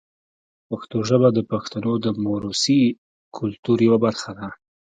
پښتو ژبه د پښتنو د موروثي کلتور یوه برخه ده.